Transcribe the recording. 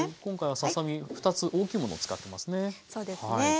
今回はささ身２つ大きいものを使ってますね。